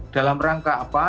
dalam rangka apa